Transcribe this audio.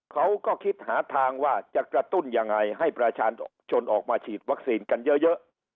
เขาก็คิดหาทางว่าจะกระตุ้นยังไงให้ประชาชนออกมาฉีดวัคซีนกันเยอะ